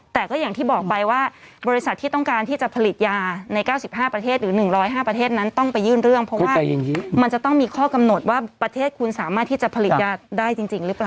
แต่ก็อย่างที่บอกไปว่าบริษัทที่ต้องการที่จะผลิตยาใน๙๕ประเทศหรือ๑๐๕ประเทศนั้นต้องไปยื่นเรื่องเพราะว่ามันจะต้องมีข้อกำหนดว่าประเทศคุณสามารถที่จะผลิตยาได้จริงหรือเปล่า